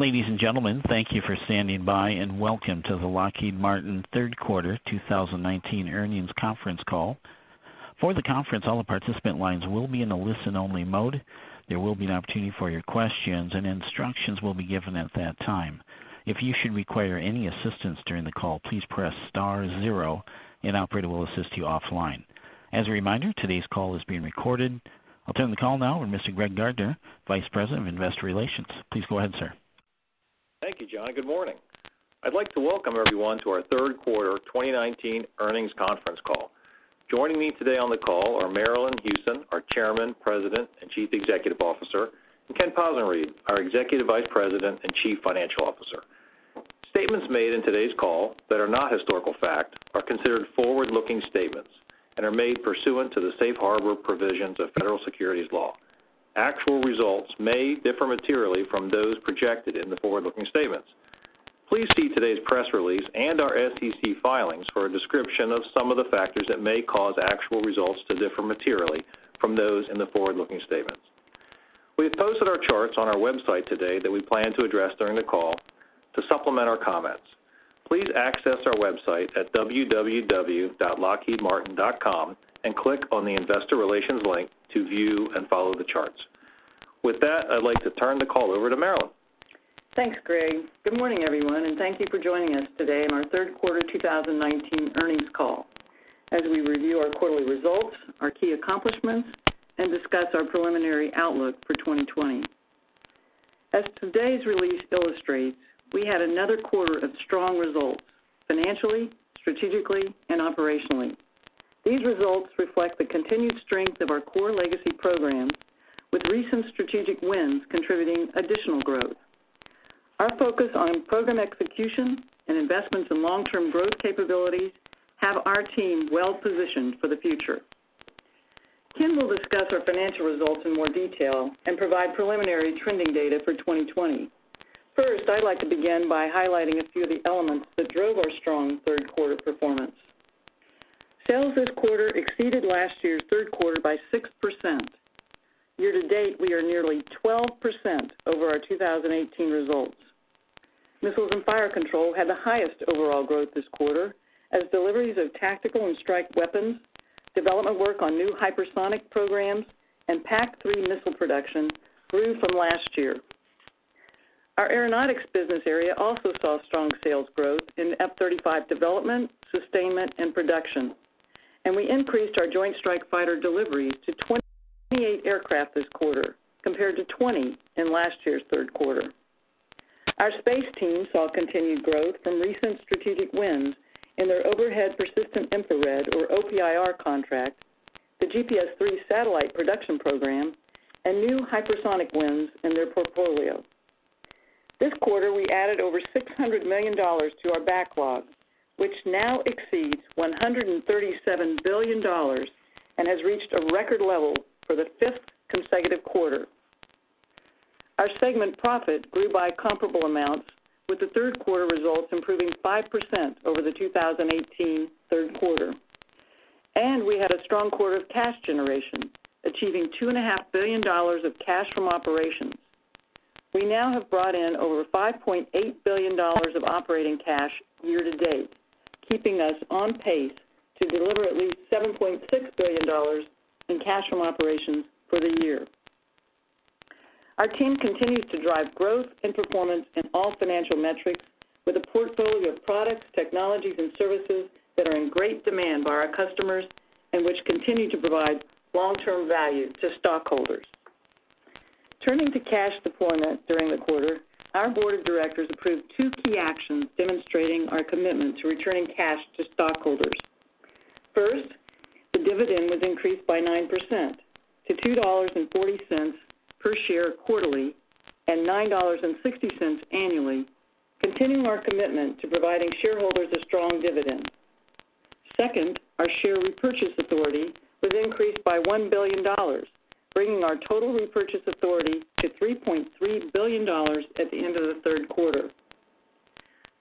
Ladies and gentlemen, thank you for standing by, and welcome to the Lockheed Martin Third Quarter 2019 Earnings Conference Call. For the conference, all the participant lines will be in a listen-only mode. There will be an opportunity for your questions, and instructions will be given at that time. If you should require any assistance during the call, please press star zero, an operator will assist you offline. As a reminder, today's call is being recorded. I'll turn the call now over to Mr. Greg Gardner, Vice President of Investor Relations. Please go ahead, sir. Thank you, John. Good morning. I'd like to welcome everyone to our third quarter 2019 earnings conference call. Joining me today on the call are Marillyn Hewson, our Chairman, President, and Chief Executive Officer, and Ken Possenriede, our Executive Vice President and Chief Financial Officer. Statements made in today's call that are not historical fact are considered forward-looking statements and are made pursuant to the safe harbor provisions of federal securities law. Actual results may differ materially from those projected in the forward-looking statements. Please see today's press release and our SEC filings for a description of some of the factors that may cause actual results to differ materially from those in the forward-looking statements. We have posted our charts on our website today that we plan to address during the call to supplement our comments. Please access our website at www.lockheedmartin.com and click on the Investor Relations link to view and follow the charts. With that, I'd like to turn the call over to Marillyn. Thanks, Greg. Good morning, everyone. Thank you for joining us today on our third quarter 2019 earnings call as we review our quarterly results, our key accomplishments, and discuss our preliminary outlook for 2020. As today's release illustrates, we had another quarter of strong results financially, strategically, and operationally. These results reflect the continued strength of our core legacy programs, with recent strategic wins contributing additional growth. Our focus on program execution and investments in long-term growth capabilities have our team well positioned for the future. Ken will discuss our financial results in more detail and provide preliminary trending data for 2020. First, I'd like to begin by highlighting a few of the elements that drove our strong third quarter performance. Sales this quarter exceeded last year's third quarter by 6%. Year to date, we are nearly 12% over our 2018 results. Missiles and Fire Control had the highest overall growth this quarter as deliveries of tactical and strike weapons, development work on new hypersonic programs, and PAC-3 missile production grew from last year. Our aeronautics business area also saw strong sales growth in F-35 development, sustainment, and production, and we increased our Joint Strike Fighter deliveries to 28 aircraft this quarter compared to 20 in last year's third quarter. Our space team saw continued growth from recent strategic wins in their Overhead Persistent Infrared, or OPIR contract, the GPS 3 satellite production program, and new hypersonic wins in their portfolio. This quarter, we added over $600 million to our backlog, which now exceeds $137 billion and has reached a record level for the fifth consecutive quarter. Our segment profit grew by comparable amounts with the third quarter results improving 5% over the 2018 third quarter. We had a strong quarter of cash generation, achieving $2.5 billion of cash from operations. We now have brought in over $5.8 billion of operating cash year to date, keeping us on pace to deliver at least $7.6 billion in cash from operations for the year. Our team continues to drive growth and performance in all financial metrics with a portfolio of products, technologies, and services that are in great demand by our customers and which continue to provide long-term value to stockholders. Turning to cash deployment during the quarter, our board of directors approved two key actions demonstrating our commitment to returning cash to stockholders. First, the dividend was increased by 9% to $2.40 per share quarterly and $9.60 annually, continuing our commitment to providing shareholders a strong dividend. Second, our share repurchase authority was increased by $1 billion, bringing our total repurchase authority to $3.3 billion at the end of the third quarter.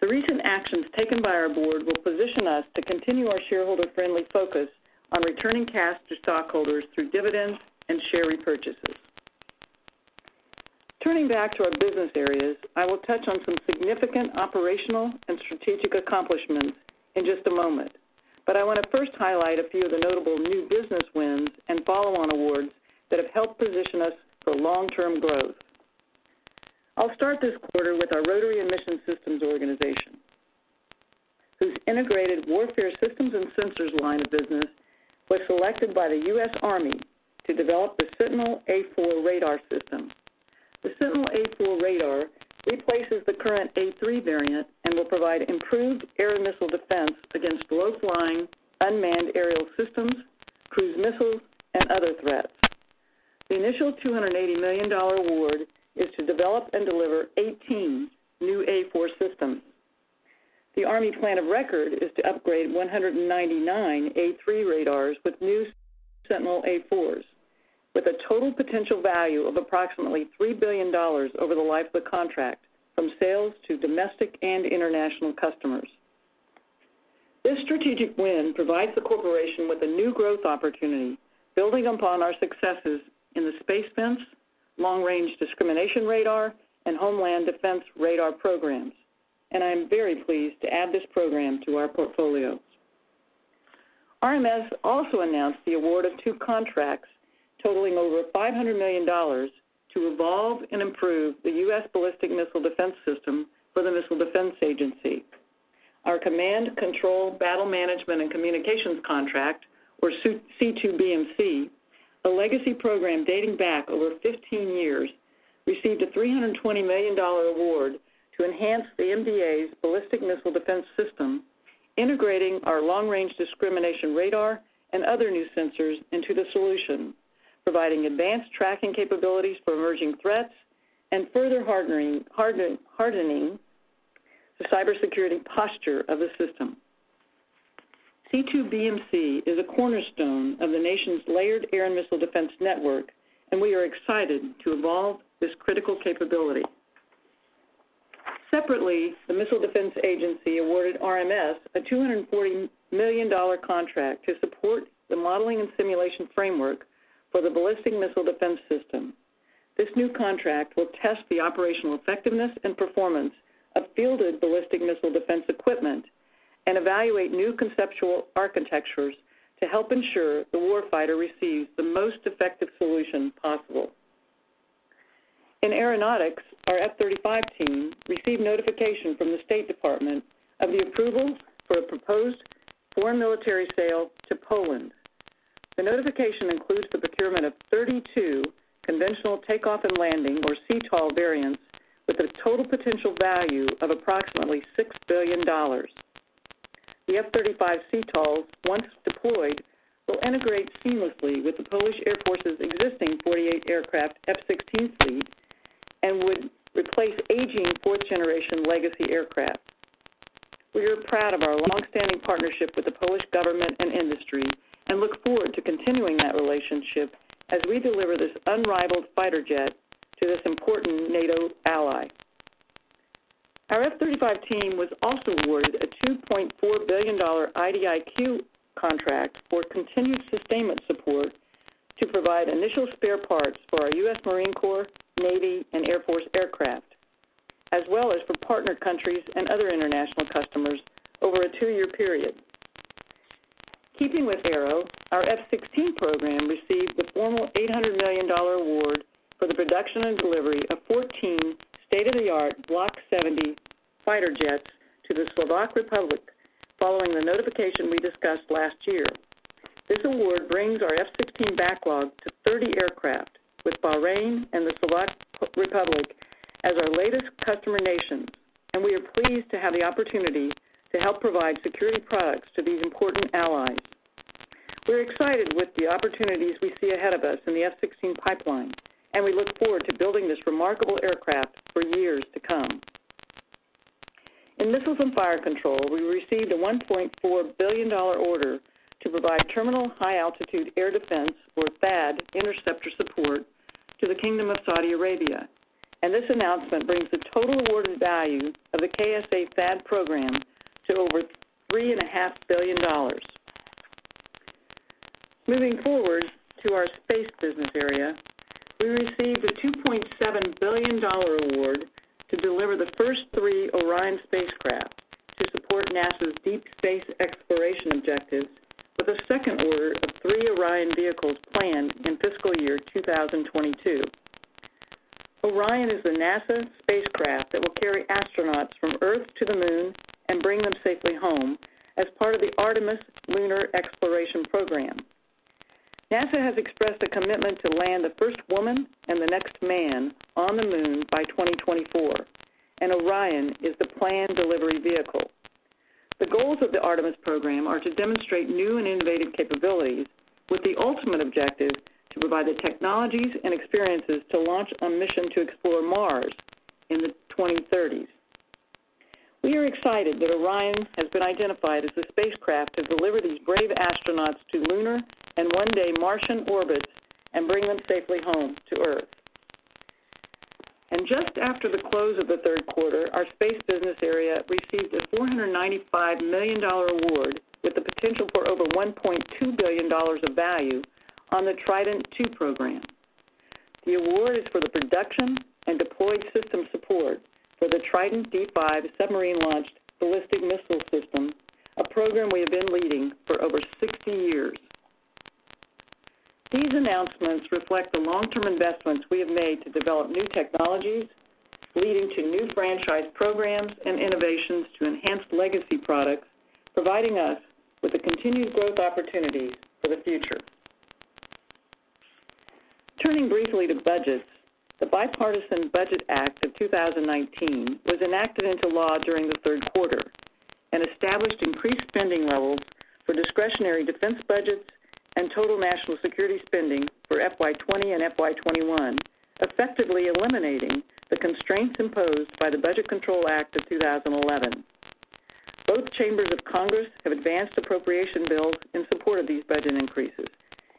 The recent actions taken by our board will position us to continue our shareholder-friendly focus on returning cash to stockholders through dividends and share repurchases. Turning back to our business areas, I will touch on some significant operational and strategic accomplishments in just a moment. I want to first highlight a few of the notable new business wins and follow-on awards that have helped position us for long-term growth. I'll start this quarter with our Rotary and Mission Systems organization, whose Integrated Warfare Systems and Sensors line of business was selected by the U.S. Army to develop the Sentinel A4 radar system. The Sentinel A4 radar replaces the current A3 variant and will provide improved air missile defense against low-flying unmanned aerial systems, cruise missiles, and other threats. The initial $280 million award is to develop and deliver 18 new A4 systems. The Army plan of record is to upgrade 199 A3 radars with new Sentinel A4s with a total potential value of approximately $3 billion over the life of the contract from sales to domestic and international customers. This strategic win provides the corporation with a new growth opportunity, building upon our successes in the Space Fence, Long Range Discrimination Radar, and Homeland Defense Radar programs. I am very pleased to add this program to our portfolio. RMS also announced the award of two contracts totaling over $500 million to evolve and improve the U.S. Ballistic Missile Defense System for the Missile Defense Agency. Our command control battle management and communications contract, or C2BMC, a legacy program dating back over 15 years, received a $320 million award to enhance the MDA's Ballistic Missile Defense System, integrating our Long Range Discrimination Radar and other new sensors into the solution, providing advanced tracking capabilities for emerging threats, and further hardening the cybersecurity posture of the system. C2BMC is a cornerstone of the nation's layered air and missile defense network. We are excited to evolve this critical capability. Separately, the Missile Defense Agency awarded RMS a $240 million contract to support the modeling and simulation framework for the Ballistic Missile Defense System. This new contract will test the operational effectiveness and performance of fielded ballistic missile defense equipment and evaluate new conceptual architectures to help ensure the war fighter receives the most effective solution possible. In Aeronautics, our F-35 team received notification from the State Department of the approval for a proposed foreign military sale to Poland. The notification includes the procurement of 32 conventional takeoff and landing, or CTOL variants, with a total potential value of approximately $6 billion. The F-35 CTOL, once deployed, will integrate seamlessly with the Polish Air Force's existing 48 aircraft F-16 fleet and would replace aging fourth-generation legacy aircraft. We are proud of our longstanding partnership with the Polish government and industry and look forward to continuing that relationship as we deliver this unrivaled fighter jet to this important NATO ally. Our F-35 team was also awarded a $2.4 billion IDIQ contract for continued sustainment support to provide initial spare parts for our U.S. Marine Corps, Navy, and Air Force aircraft, as well as for partner countries and other international customers over a two-year period. Keeping with Aero, our F-16 program received the formal $800 million award for the production and delivery of 14 state-of-the-art Block 70 fighter jets to the Slovak Republic following the notification we discussed last year. This award brings our F-16 backlog to 30 aircraft with Bahrain and the Slovak Republic as our latest customer nations. We are pleased to have the opportunity to help provide security products to these important allies. We are excited with the opportunities we see ahead of us in the F-16 pipeline, and we look forward to building this remarkable aircraft for years to come. In Missiles and Fire Control, we received a $1.4 billion order to provide Terminal High Altitude Area Defense, or THAAD interceptor support to the Kingdom of Saudi Arabia. This announcement brings the total awarded value of the KSA THAAD program to over $3.5 billion. Moving forward to our space business area, we received a $2.7 billion award to deliver the first three Orion spacecraft to support NASA's deep space exploration objective with a second order of three Orion vehicles planned in fiscal year 2022. Orion is the NASA spacecraft that will carry astronauts from Earth to the moon and bring them safely home as part of the Artemis lunar exploration program. NASA has expressed a commitment to land the first woman and the next man on the moon by 2024. Orion is the planned delivery vehicle. The goals of the Artemis program are to demonstrate new and innovative capabilities with the ultimate objective to provide the technologies and experiences to launch a mission to explore Mars in the 2030s. We are excited that Orion has been identified as the spacecraft to deliver these brave astronauts to lunar and, one day, Martian orbits and bring them safely home to Earth. Just after the close of the third quarter, our space business area received a $495 million award with the potential for over $1.2 billion of value on the Trident II program. The award is for the production and deployed system support for the Trident D5 submarine-launched ballistic missile system, a program we have been leading for over 60 years. These announcements reflect the long-term investments we have made to develop new technologies, leading to new franchise programs and innovations to enhance legacy products, providing us with a continued growth opportunity for the future. Turning briefly to budgets, the Bipartisan Budget Act of 2019 was enacted into law during the third quarter and established increased spending levels for discretionary defense budgets and total national security spending for FY 2020 and FY 2021, effectively eliminating the constraints imposed by the Budget Control Act of 2011. Both chambers of Congress have advanced appropriation bills in support of these budget increases,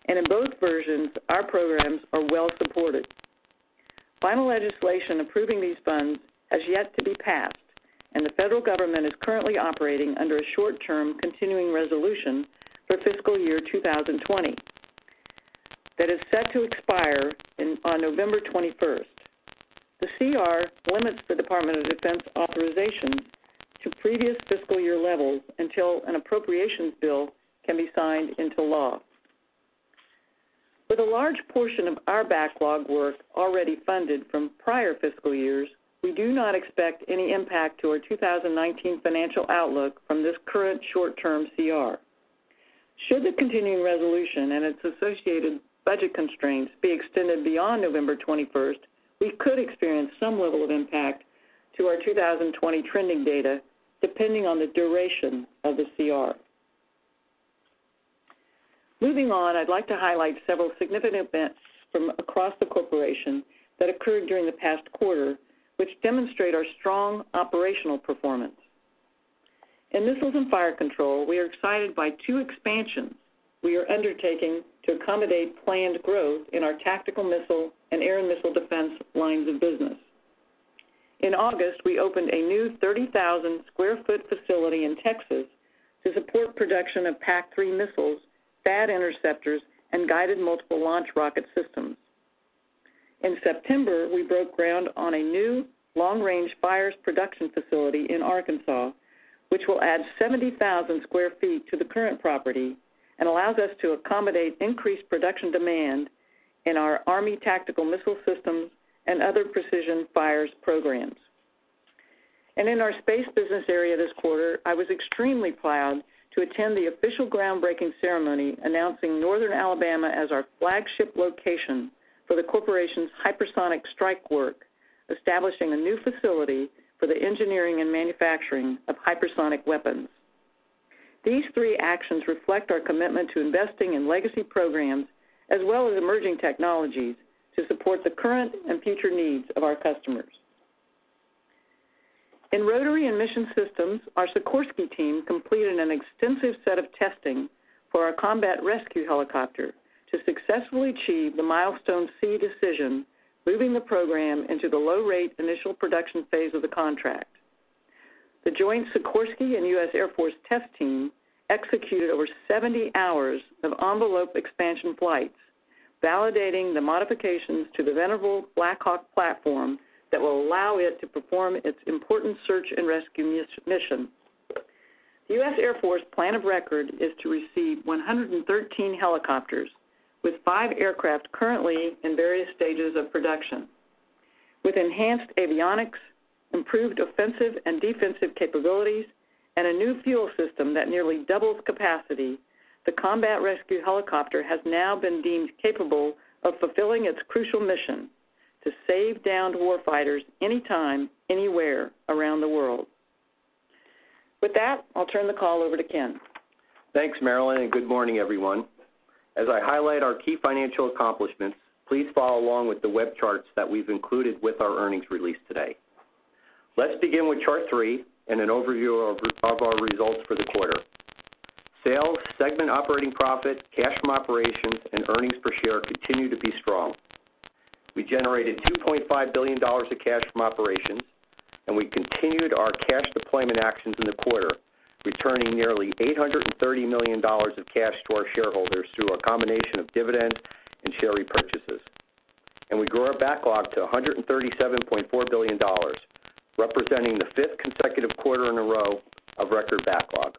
and in both versions, our programs are well supported. Final legislation approving these funds has yet to be passed, and the federal government is currently operating under a short-term continuing resolution for fiscal year 2020 that is set to expire on November 21st. The CR limits the Department of Defense authorization to previous fiscal year levels until an appropriations bill can be signed into law. With a large portion of our backlog work already funded from prior fiscal years, we do not expect any impact to our 2019 financial outlook from this current short-term CR. Should the continuing resolution and its associated budget constraints be extended beyond November 21st, we could experience some level of impact to our 2020 trending data, depending on the duration of the CR. Moving on, I'd like to highlight several significant events from across the corporation that occurred during the past quarter, which demonstrate our strong operational performance. In Missiles and Fire Control, we are excited by two expansions we are undertaking to accommodate planned growth in our tactical missile and air and missile defense lines of business. In August, we opened a new 30,000 sq ft facility in Texas to support production of PAC-3 missiles, THAAD interceptors, and Guided Multiple Launch Rocket Systems. In September, we broke ground on a new long-range fires production facility in Arkansas, which will add 70,000 sq ft to the current property and allows us to accommodate increased production demand in our Army Tactical Missile Systems and other precision fires programs. In our Space Business Area this quarter, I was extremely proud to attend the official groundbreaking ceremony announcing Northern Alabama as our flagship location for the corporation's hypersonic strike work, establishing a new facility for the engineering and manufacturing of hypersonic weapons. These three actions reflect our commitment to investing in legacy programs as well as emerging technologies to support the current and future needs of our customers. In Rotary and Mission Systems, our Sikorsky team completed an extensive set of testing for our Combat Rescue Helicopter to successfully achieve the Milestone C decision, moving the program into the low rate initial production phase of the contract. The joint Sikorsky and U.S. Air Force test team executed over 70 hours of envelope expansion flights, validating the modifications to the venerable Black Hawk platform that will allow it to perform its important search and rescue mission. The U.S. Air Force plan of record is to receive 113 helicopters, with five aircraft currently in various stages of production. With enhanced avionics, improved offensive and defensive capabilities, and a new fuel system that nearly doubles capacity, the Combat Rescue Helicopter has now been deemed capable of fulfilling its crucial mission to save downed war fighters anytime, anywhere around the world. With that, I'll turn the call over to Ken. Thanks, Marillyn. Good morning, everyone. As I highlight our key financial accomplishments, please follow along with the web charts that we've included with our earnings release today. Let's begin with Chart three and an overview of our results for the quarter. Sales, segment operating profit, cash from operations, and earnings per share continue to be strong. We generated $2.5 billion of cash from operations, and we continued our cash deployment actions in the quarter, returning nearly $830 million of cash to our shareholders through a combination of dividends and share repurchases. We grew our backlog to $137.4 billion, representing the fifth consecutive quarter in a row of record backlog.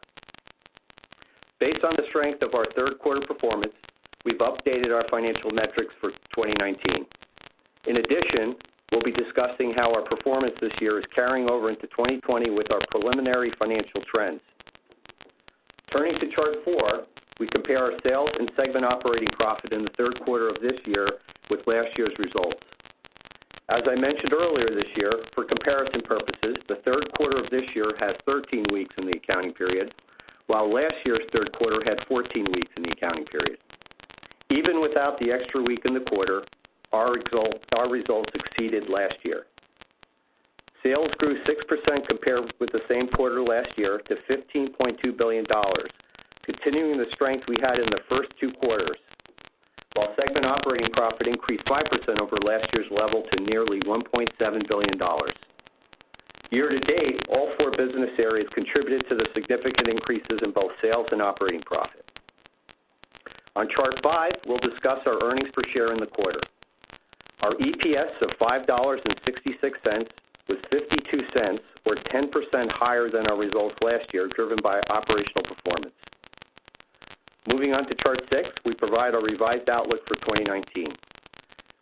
Based on the strength of our third quarter performance, we've updated our financial metrics for 2019. In addition, we'll be discussing how our performance this year is carrying over into 2020 with our preliminary financial trends. Turning to Chart 4, we compare our sales and segment operating profit in the third quarter of this year with last year's results. As I mentioned earlier this year, for comparison purposes, the third quarter of this year had 13 weeks in the accounting period, while last year's third quarter had 14 weeks in the accounting period. Even without the extra week in the quarter, our results exceeded last year. Sales grew 6% compared with the same quarter last year to $15.2 billion, continuing the strength we had in the first two quarters, while segment operating profit increased 5% over last year's level to nearly $1.7 billion. Year to date, all four business areas contributed to the significant increases in both sales and operating profit. On Chart 5, we'll discuss our earnings per share in the quarter. Our EPS of $5.66 was $0.52, or 10% higher than our results last year, driven by operational performance. Moving on to Chart 6, we provide our revised outlook for 2019.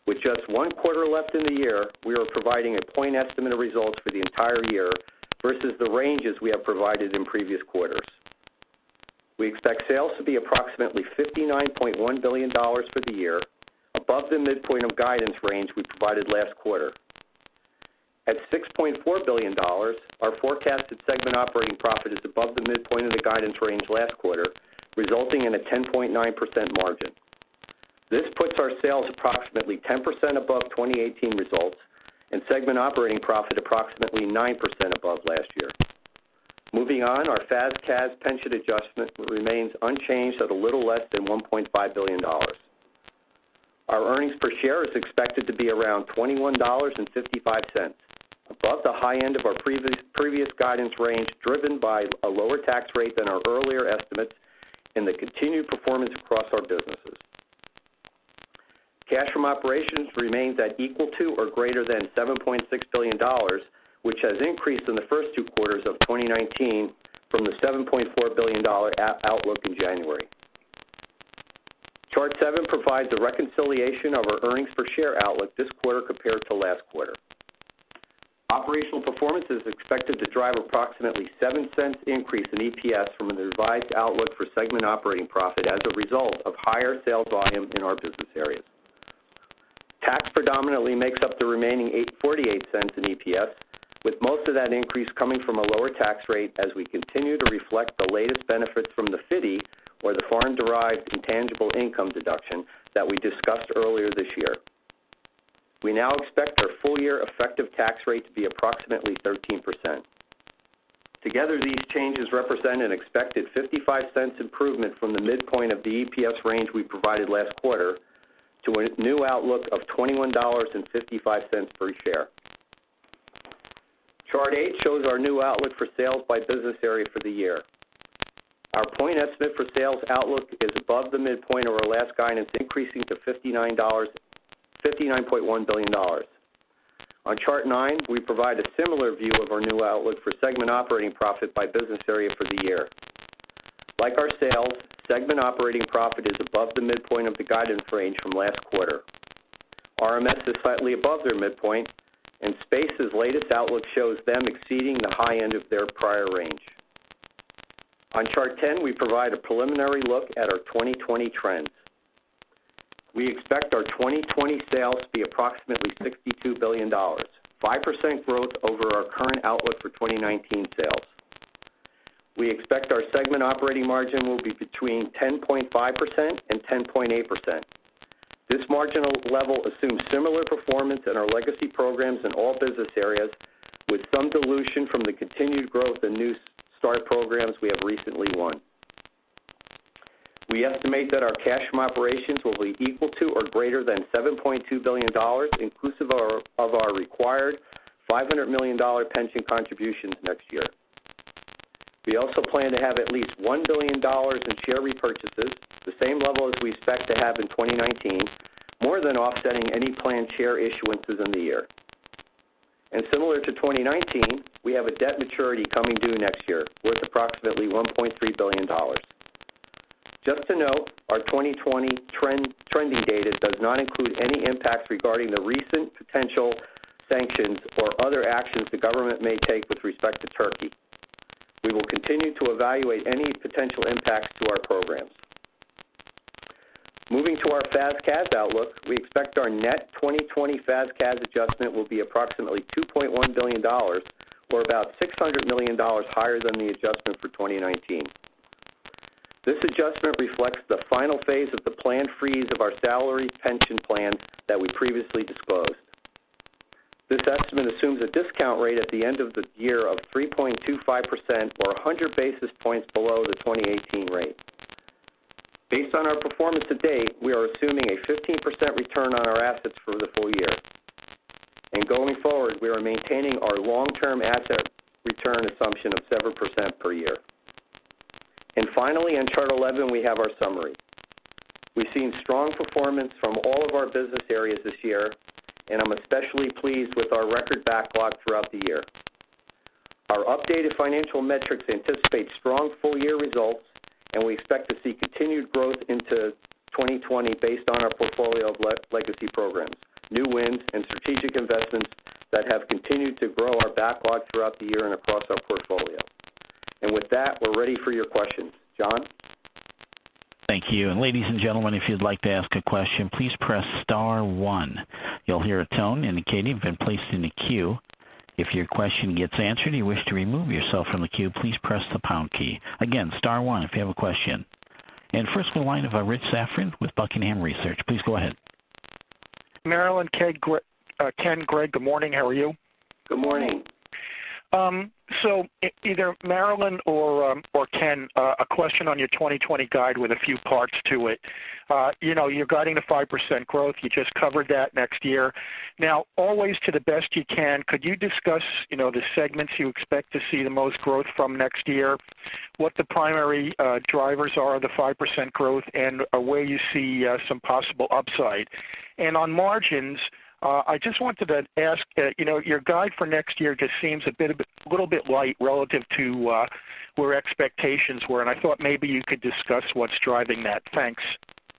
With just one quarter left in the year, we are providing a point estimate of results for the entire year versus the ranges we have provided in previous quarters. We expect sales to be approximately $59.1 billion for the year, above the midpoint of guidance range we provided last quarter. At $6.4 billion, our forecasted segment operating profit is above the midpoint of the guidance range last quarter, resulting in a 10.9% margin. This puts our sales approximately 10% above 2018 results and segment operating profit approximately 9% above last year. Moving on, our FAS/CAS pension adjustment remains unchanged at a little less than $1.5 billion. Our earnings per share is expected to be around $21.55, above the high end of our previous guidance range, driven by a lower tax rate than our earlier estimates and the continued performance across our businesses. Cash from operations remains at equal to or greater than $7.6 billion, which has increased in the first two quarters of 2019 from the $7.4 billion outlook in January. Chart seven provides a reconciliation of our earnings per share outlook this quarter compared to last quarter. Operational performance is expected to drive approximately $0.07 increase in EPS from a revised outlook for segment operating profit as a result of higher sales volume in our business areas. Tax predominantly makes up the remaining $8.48 in EPS, with most of that increase coming from a lower tax rate as we continue to reflect the latest benefits from the FDII, or the Foreign Derived Intangible Income deduction, that we discussed earlier this year. We now expect our full year effective tax rate to be approximately 13%. Together, these changes represent an expected $0.55 improvement from the midpoint of the EPS range we provided last quarter, to a new outlook of $21.55 per share. Chart eight shows our new outlook for sales by business area for the year. Our point estimate for sales outlook is above the midpoint of our last guidance, increasing to $59.1 billion. On chart nine, we provide a similar view of our new outlook for segment operating profit by business area for the year. Like our sales, segment operating profit is above the midpoint of the guidance range from last quarter. RMS is slightly above their midpoint, and Space's latest outlook shows them exceeding the high end of their prior range. On chart 10, we provide a preliminary look at our 2020 trends. We expect our 2020 sales to be approximately $62 billion, 5% growth over our current outlook for 2019 sales. We expect our segment operating margin will be between 10.5% and 10.8%. This marginal level assumes similar performance in our legacy programs in all business areas, with some dilution from the continued growth in new start programs we have recently won. We estimate that our cash from operations will be equal to or greater than $7.2 billion, inclusive of our required $500 million pension contributions next year. We also plan to have at least $1 billion in share repurchases, the same level as we expect to have in 2019, more than offsetting any planned share issuances in the year. Similar to 2019, we have a debt maturity coming due next year, worth approximately $1.3 billion. Just to note, our 2020 trending data does not include any impacts regarding the recent potential sanctions or other actions the government may take with respect to Turkey. We will continue to evaluate any potential impacts to our programs. Moving to our FAS/CAS outlook, we expect our net 2020 FAS/CAS adjustment will be approximately $2.1 billion, or about $600 million higher than the adjustment for 2019. This adjustment reflects the final phase of the planned freeze of our salary pension plans that we previously disclosed. This estimate assumes a discount rate at the end of the year of 3.25%, or 100 basis points below the 2018 rate. Based on our performance to date, we are assuming a 15% return on our assets for the full year. Going forward, we are maintaining our long-term asset return assumption of 7% per year. Finally, on chart 11, we have our summary. We've seen strong performance from all of our business areas this year, and I'm especially pleased with our record backlog throughout the year. Our updated financial metrics anticipate strong full year results, and we expect to see continued growth into 2020 based on our portfolio of legacy programs, new wins, and strategic investments that have continued to grow our backlog throughout the year and across our portfolio. With that, we're ready for your questions. Jon? Thank you. Ladies and gentlemen, if you'd like to ask a question, please press star one. You'll hear a tone indicating you've been placed in the queue. If your question gets answered and you wish to remove yourself from the queue, please press the pound key. Again, star one if you have a question. First in the line of our Rich Safran with Buckingham Research. Please go ahead. Marillyn, Ken, Greg, good morning. How are you? Good morning. Either Marillyn or Ken, a question on your 2020 guide with a few parts to it. You're guiding to 5% growth. You just covered that next year. Always to the best you can, could you discuss the segments you expect to see the most growth from next year, what the primary drivers are of the 5% growth, and where you see some possible upside? On margins, I just wanted to ask, your guide for next year just seems a little bit light relative to where expectations were, and I thought maybe you could discuss what's driving that. Thanks.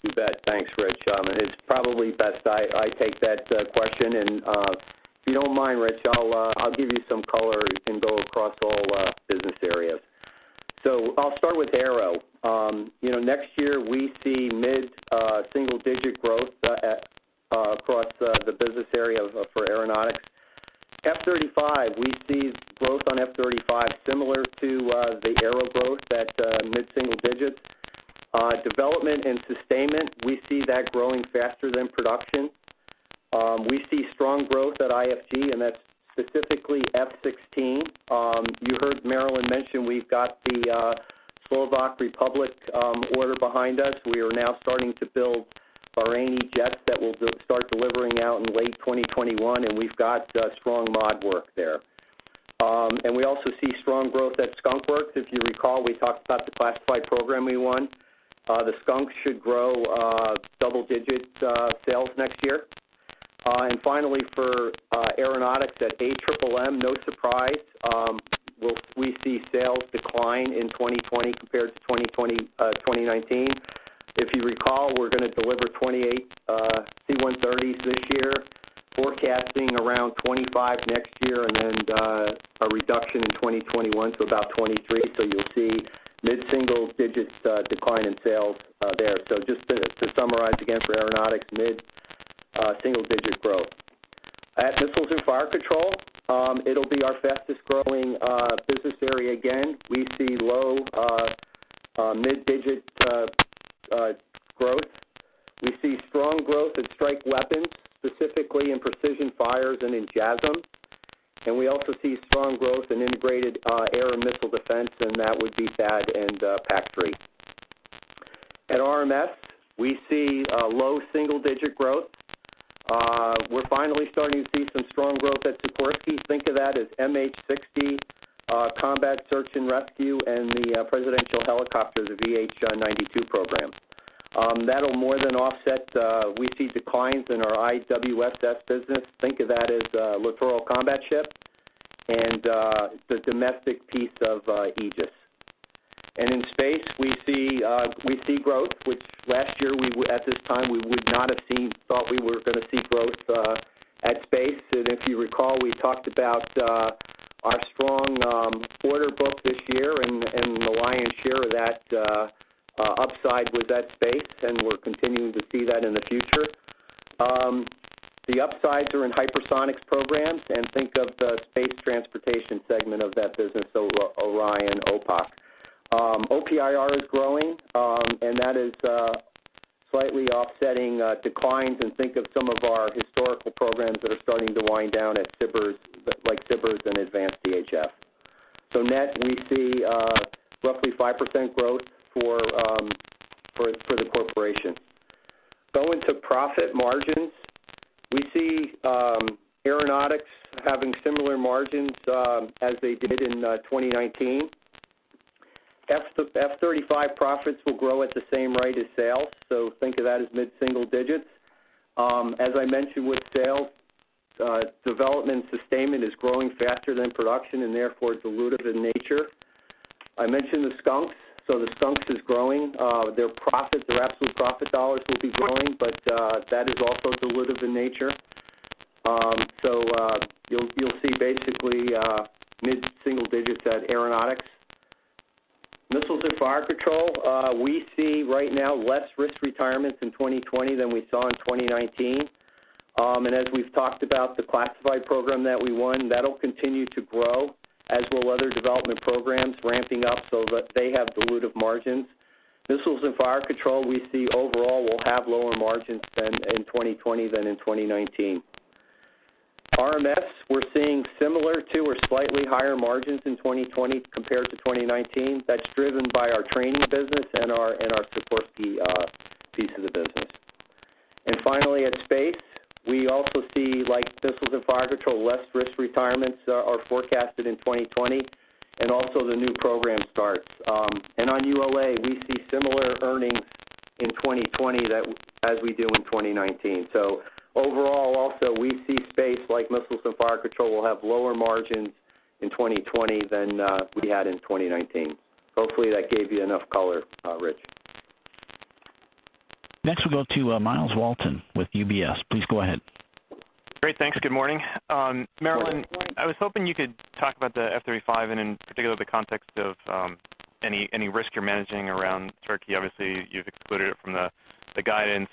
You bet. Thanks, Rich. It's probably best I take that question. If you don't mind, Rich, I'll give you some color and go across all business areas. I'll start with Aero. Next year, we see mid-single-digit growth across the business area for Aeronautics. F-35, we see growth on F-35 similar to the Aero growth at mid-single-digit. Development and sustainment, we see that growing faster than production. We see strong growth at IFG, and that's specifically F-16. You heard Marillyn mention we've got the Slovak Republic order behind us. We are now starting to build Bahraini jets that will start delivering out in late 2021, and we've got strong mod work there. We also see strong growth at Skunk Works. If you recall, we talked about the classified program we won. The Skunk should grow double-digit sales next year. Finally, for Aeronautics at AMMM, no surprise, we see sales decline in 2020 compared to 2019. If you recall, we're going to deliver 28 C-130s this year, forecasting around 25 next year, and then a reduction in 2021 to about 23. You'll see mid-single digits decline in sales there. Just to summarize again, for Aeronautics, mid-single digit growth. At Missiles and Fire Control, it'll be our fastest growing business area again. We see low mid-digit growth. We see strong growth in strike weapons, specifically in precision fires and in JASSM. We also see strong growth in integrated air and missile defense, and that would be THAAD and PAC-3. At RMS, we see low single-digit growth. We're finally starting to see some strong growth at Sikorsky. Think of that as MH-60 combat search and rescue, and the presidential helicopter, the VH-92 program. That'll more than offset. We see declines in our IWSS business. Think of that as Littoral Combat Ship and the domestic piece of Aegis. In Space, we see growth, which last year at this time, we would not have thought we were going to see growth at Space. If you recall, we talked about our strong order book this year, and the lion's share of that upside was at Space, and we're continuing to see that in the future. The upsides are in hypersonics programs. Think of the space transportation segment of that business, so Orion OPOC. OPIR is growing, and that is slightly offsetting declines, and think of some of our historical programs that are starting to wind down, like SBIRS and Advanced EHF. Net, we see roughly 5% growth for the corporation. Going to profit margins. We see Aeronautics having similar margins as they did in 2019. F-35 profits will grow at the same rate as sales. Think of that as mid-single digits. As I mentioned with sales, development sustainment is growing faster than production, and therefore, dilutive in nature. I mentioned the Skunk. The Skunk is growing. Their absolute profit dollars will be growing, but that is also dilutive in nature. You'll see basically mid-single digits at Aeronautics. Missiles & Fire Control, we see right now less risk retirements in 2020 than we saw in 2019. As we've talked about the classified program that we won, that'll continue to grow, as will other development programs ramping up so that they have dilutive margins. Missiles & Fire Control, we see overall will have lower margins in 2020 than in 2019. RMS, we're seeing similar to or slightly higher margins in 2020 compared to 2019. That's driven by our training business and our support piece of the business. Finally, at Space, we also see, like Missiles & Fire Control, less risk retirements are forecasted in 2020, and also the new program starts. On ULA, we see similar earnings in 2020 as we do in 2019. Overall, also, we see Space, like Missiles & Fire Control, will have lower margins in 2020 than we had in 2019. Hopefully, that gave you enough color, Rich. Next we'll go to Myles Walton with UBS. Please go ahead. Great. Thanks. Good morning. Good morning. Marillyn, I was hoping you could talk about the F-35, and in particular, the context of any risk you're managing around Turkey. You've excluded it from the guidance.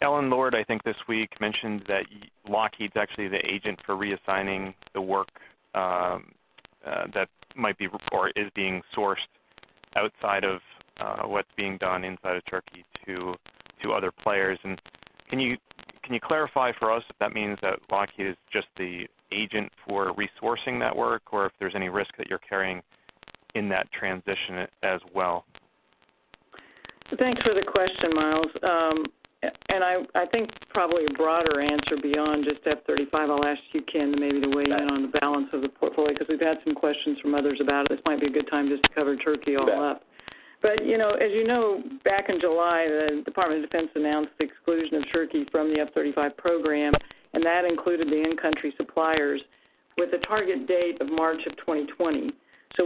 Ellen Lord, I think this week, mentioned that Lockheed's actually the agent for reassigning the work that might be, or is being sourced outside of what's being done inside of Turkey to other players. Can you clarify for us if that means that Lockheed is just the agent for resourcing that work, or if there's any risk that you're carrying in that transition as well? Thanks for the question, Myles. I think probably a broader answer beyond just F-35. I'll ask you, Ken, maybe to weigh in on the balance of the portfolio, because we've had some questions from others about it. This might be a good time just to cover Turkey all up. Okay. As you know, back in July, the Department of Defense announced the exclusion of Turkey from the F-35 program, and that included the in-country suppliers with a target date of March of 2020.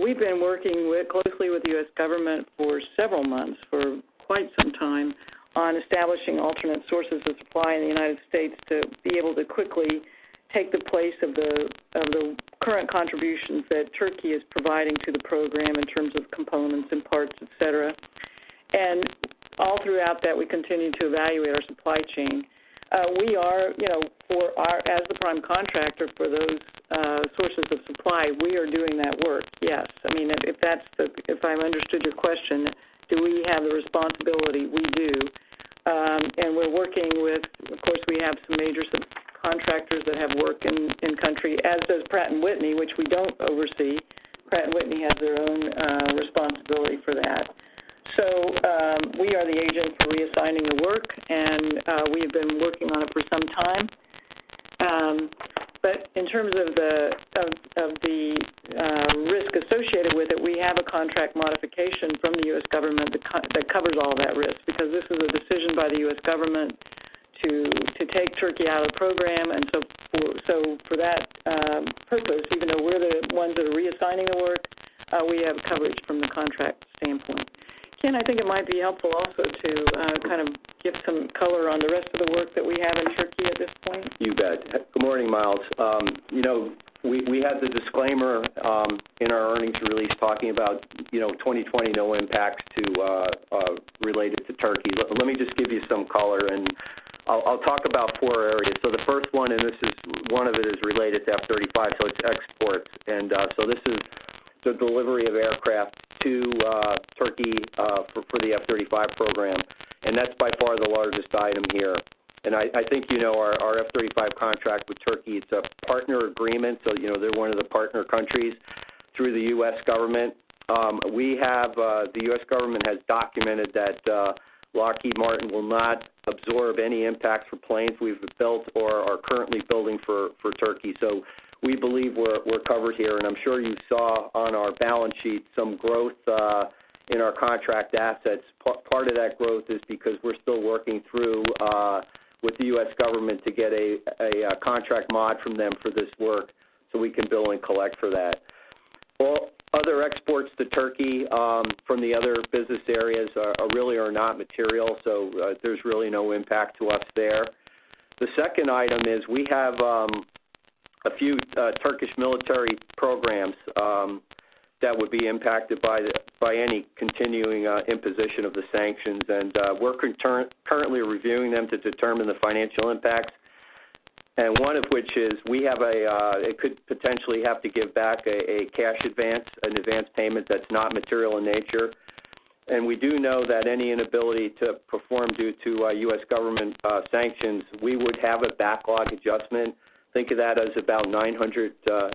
We've been working closely with the U.S. Government for several months, for quite some time, on establishing alternate sources of supply in the United States to be able to quickly take the place of the current contributions that Turkey is providing to the program in terms of components and parts, et cetera. All throughout that, we continue to evaluate our supply chain. As the prime contractor for those sources of supply, we are doing that work, yes. If I've understood your question, do we have a responsibility? We do. We're working with, of course, we have some major subcontractors that have work in country, as does Pratt & Whitney, which we don't oversee. Pratt & Whitney have their own responsibility for that. We are the agent for reassigning the work, and we have been working on it for some time. In terms of the risk associated with it, we have a contract modification from the U.S. Government that covers all of that risk, because this is a decision by the U.S. Government to take Turkey out of the program. For that purpose, even though we're the ones that are reassigning the work, we have coverage from the contract standpoint. Ken, I think it might be helpful also to kind of give some color on the rest of the work that we have in Turkey at this point. You bet. Good morning, Myles. We have the disclaimer in our earnings release talking about 2020, no impacts related to Turkey. Let me just give you some color and I'll talk about four areas. The first one of it is related to F-35, it's export. This is the delivery of aircraft to Turkey for the F-35 program, that's by far the largest item here. I think you know our F-35 contract with Turkey, it's a partner agreement, so they're one of the partner countries through the U.S. Government. The U.S. Government has documented that Lockheed Martin will not absorb any impact for planes we've built or are currently building for Turkey. We believe we're covered here, I'm sure you saw on our balance sheet some growth in our contract assets. Part of that growth is because we're still working through with the U.S. Government to get a contract mod from them for this work so we can bill and collect for that. Other exports to Turkey from the other business areas really are not material, so there's really no impact to us there. The second item is we have a few Turkish military programs that would be impacted by any continuing imposition of the sanctions, and we're currently reviewing them to determine the financial impacts. One of which is, we could potentially have to give back a cash advance, an advance payment that's not material in nature. We do know that any inability to perform due to U.S. Government sanctions, we would have a backlog adjustment. Think of that as about $900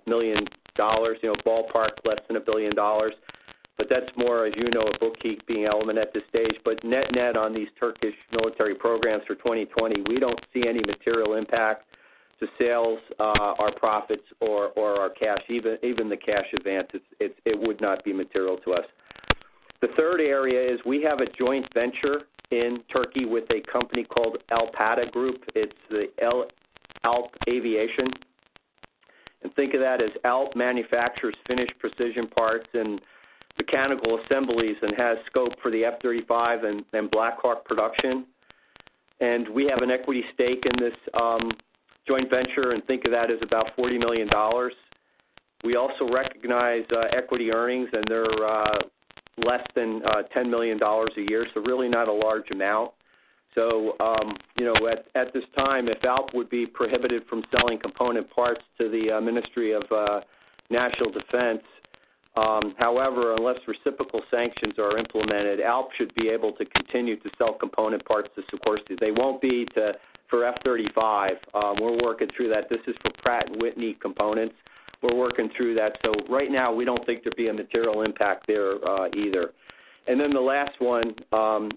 million, ballpark, less than $1 billion. That's more, as you know, a bookkeeping element at this stage. Net on these Turkish military programs for 2020, we don't see any material impact to sales, our profits, or our cash, even the cash advance. It would not be material to us. The third area is we have a joint venture in Turkey with a company called Alp Aviation. It's the Alp Aviation. Think of that as Alp manufactures finished precision parts and mechanical assemblies and has scope for the F-35 and Black Hawk production. We have an equity stake in this joint venture, and think of that as about $40 million. We also recognize equity earnings, they're less than $10 million a year, so really not a large amount. At this time, if ALP would be prohibited from selling component parts to the Ministry of National Defense, however, unless reciprocal sanctions are implemented, ALP should be able to continue to sell component parts to support. They won't be for F-35. We're working through that. This is for Pratt & Whitney components. We're working through that. Right now, we don't think there'd be a material impact there either. The last one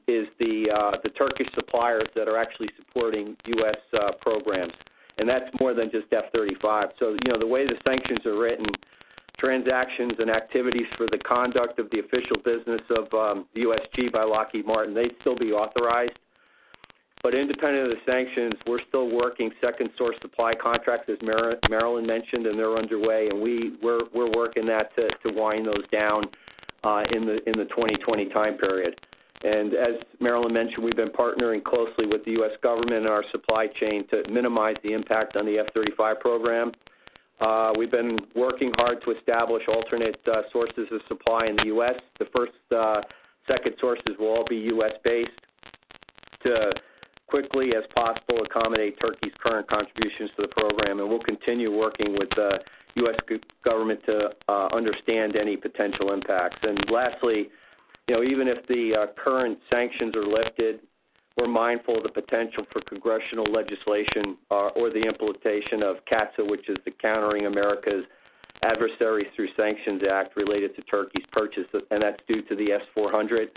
is the Turkish suppliers that are actually supporting U.S. programs, and that's more than just F-35. The way the sanctions are written, transactions and activities for the conduct of the official business of USG by Lockheed Martin, they'd still be authorized. Independent of the sanctions, we're still working second source supply contracts, as Marillyn mentioned, and they're underway, and we're working to wind those down in the 2020 time period. As Marillyn mentioned, we've been partnering closely with the U.S. Government and our supply chain to minimize the impact on the F-35 program. We've been working hard to establish alternate sources of supply in the U.S. The first second sources will all be U.S.-based to quickly as possible accommodate Turkey's current contributions to the program, and we'll continue working with U.S. Government to understand any potential impacts. Lastly, even if the current sanctions are lifted, we're mindful of the potential for congressional legislation or the implementation of CAATSA, which is the Countering America's Adversaries Through Sanctions Act related to Turkey's purchase, and that's due to the S-400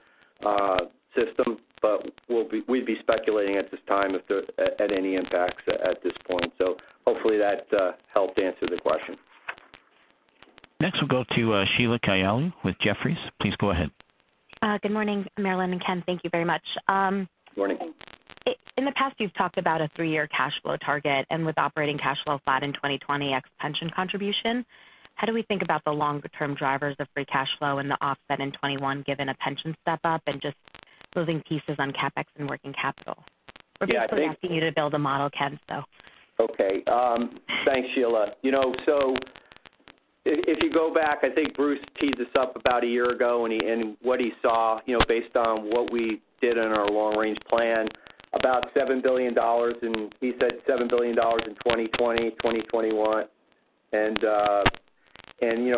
system. We'd be speculating at this time at any impacts at this point. Hopefully that helped answer the question. Next, we'll go to Sheila Kahyaoglu with Jefferies. Please go ahead. Good morning, Marillyn and Ken. Thank you very much. Good morning. In the past, you've talked about a three-year cash flow target, with operating cash flow flat in 2020 ex pension contribution, how do we think about the longer-term drivers of free cash flow and the offset in 2021 given a pension step-up and just moving pieces on CapEx and working capital? We're basically asking you to build a model, Ken. Okay. Thanks, Sheila. If you go back, I think Bruce teased this up about a year ago, what he saw based on what we did in our long-range plan, about $7 billion, he said $7 billion in 2020, 2021.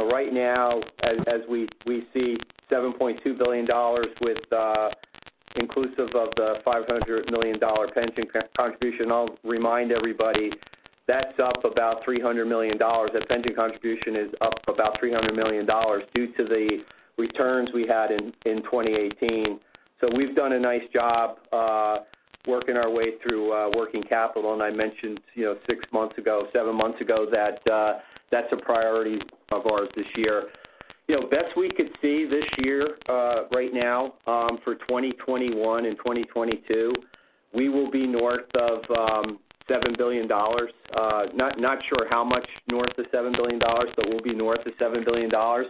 Right now, as we see $7.2 billion with inclusive of the $500 million pension contribution, I'll remind everybody that's up about $300 million. That pension contribution is up about $300 million due to the returns we had in 2018. We've done a nice job working our way through working capital, I mentioned six months ago, seven months ago, that that's a priority of ours this year. Best we could see this year, right now, for 2021 and 2022, we will be north of $7 billion. Not sure how much north of $7 billion, we'll be north of $7 billion. Right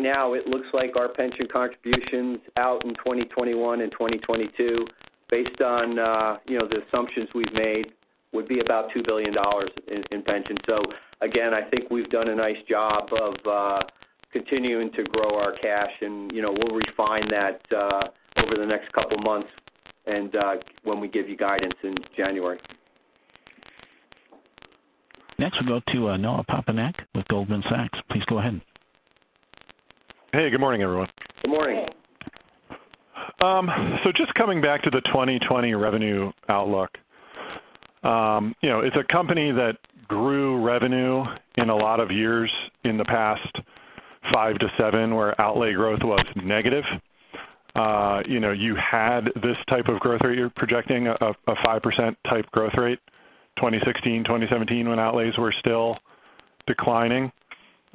now it looks like our pension contributions out in 2021 and 2022, based on the assumptions we've made, would be about $2 billion in pension. Again, I think we've done a nice job of continuing to grow our cash, and we'll refine that over the next couple of months and when we give you guidance in January. Next we'll go to Noah Poponak with Goldman Sachs. Please go ahead. Hey, good morning, everyone. Good morning. Just coming back to the 2020 revenue outlook. It's a company that grew revenue in a lot of years in the past five to seven, where outlay growth was negative. You had this type of growth rate. You're projecting a 5% type growth rate, 2016, 2017, when outlays were still declining.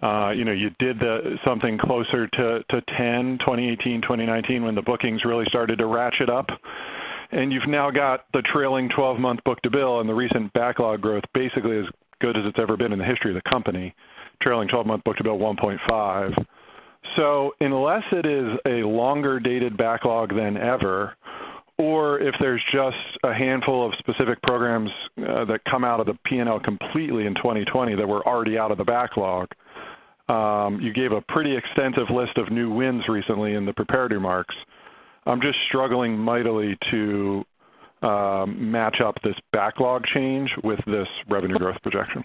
You did something closer to 10, 2018, 2019, when the bookings really started to ratchet up. You've now got the trailing 12-month book-to-bill and the recent backlog growth basically as good as it's ever been in the history of the company, trailing 12-month book-to-bill 1.5. Unless it is a longer dated backlog than ever, or if there's just a handful of specific programs that come out of the P&L completely in 2020 that were already out of the backlog, you gave a pretty extensive list of new wins recently in the prepared remarks. I'm just struggling mightily to match up this backlog change with this revenue growth projection.